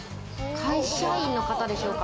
会社員の方でしょうか？